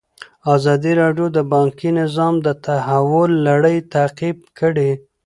ازادي راډیو د بانکي نظام د تحول لړۍ تعقیب کړې.